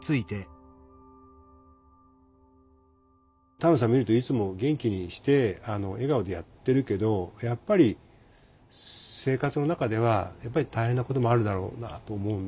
丹野さん見るといつも元気にして笑顔でやってるけどやっぱり生活の中では大変なこともあるだろうなと思うんだけども。